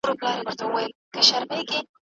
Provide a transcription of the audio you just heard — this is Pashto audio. که د ښځو ستونزې وڅیړل سي، نو لوی تاثیر لري.